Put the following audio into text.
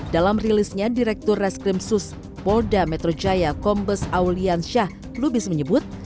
dalam rilisnya direktur reskrimsus polda metro jaya kombes aulian syah lubis menyebut